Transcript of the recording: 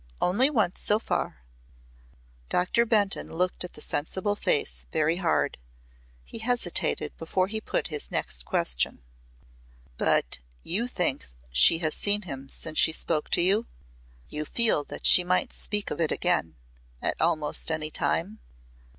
Only once so far." Doctor Benton looked at the sensible face very hard. He hesitated before he put his next question. "But you think she has seen him since she spoke to you? You feel that she might speak of it again at almost any time?"